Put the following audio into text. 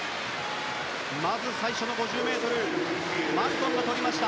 まず最初の５０ｍマルトンがとりました。